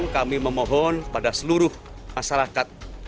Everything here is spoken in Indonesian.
kami memohon pada seluruh masyarakat